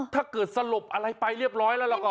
ถ้าเกิดสลบอะไรไปเรียบร้อยแล้วแล้วก็